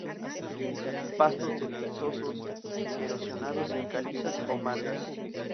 Pastos pedregosos, erosionados en calizas o margas.